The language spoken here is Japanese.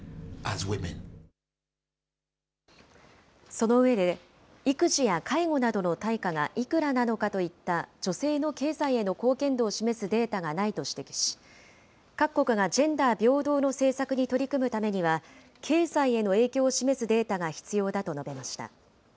その上で、育児や介護などの対価がいくらなのかといった女性の経済への貢献度を示すデータがないと指摘し、各国がジェンダー平等の政策に取り組むためには、経済への影響を示すデータが必要だと述べました。